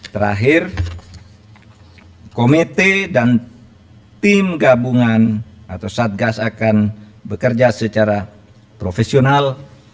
terakhir komite dan tim gabungan atau satgas akan bekerja secara profesional